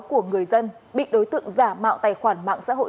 của người dân bị đối tượng giả mạo tài khoản mạng xã hội